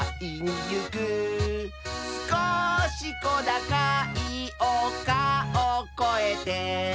「すこしこだかいおかをこえて」